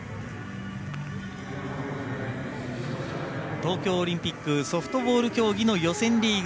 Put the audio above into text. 東京オリンピックソフトボール競技の予選リーグ